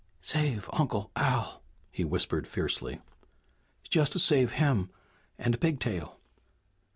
"Save Uncle Al!" he whispered fiercely. "Just save him and Pigtail!"